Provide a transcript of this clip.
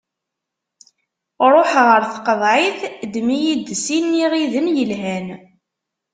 Ṛuḥ ɣer tqeḍɛit, ddem-iyi-d sin n iɣiden yelhan.